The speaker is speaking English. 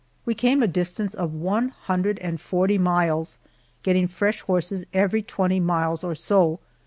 We came a distance of one hundred and forty miles, getting fresh horses every twenty miles or so.